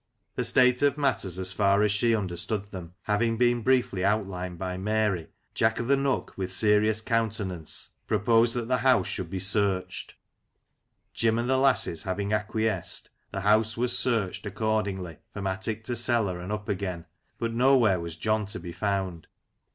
The state of matters, as far as she understood them, having been briefly outlined by Mary, Jack o'th* Nook, with serious countenance, proposed that the house should be searched. Jim and the lasses having acquiesced, the house was searched accordingly from attic to cellar and up again, but nowhere was John to be found.